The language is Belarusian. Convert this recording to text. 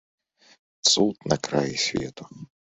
Цуд на краі свету.